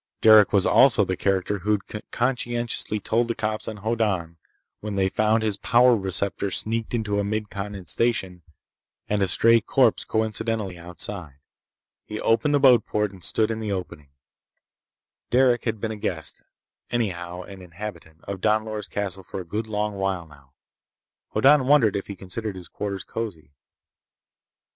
Derec was also the character who'd conscientiously told the cops on Hoddan, when they found his power receptor sneaked into a Mid Continent station and a stray corpse coincidentally outside. He opened the boatport and stood in the opening. Derec had been a guest—anyhow an inhabitant—of Don Loris' castle for a good long while, now. Hoddan wondered if he considered his quarters cozy.